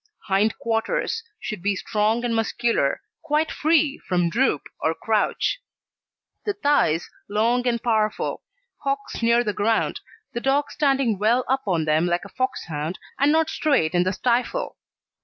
HIND QUARTERS Should be strong and muscular, quite free from droop or crouch; the thighs long and powerful; hocks near the ground, the dog standing well up on them like a Foxhound, and not straight in the stifle.